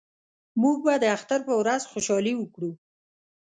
موږ به د اختر په ورځ خوشحالي وکړو